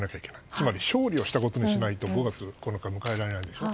つまり勝利をしたことにしないと５月９日を迎えられないでしょ。